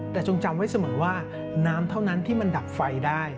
แต่จงจำไว้เสมอว่าน้ำเท่านั้นที่มันดับไฟได้